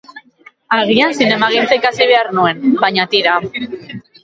Agian zinemagintza ikasi behar nuen, baina tira.